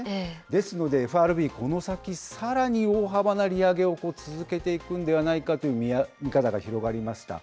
ですので、ＦＲＢ、この先、さらに大幅な利上げを続けていくんではないかという見方が広がりました。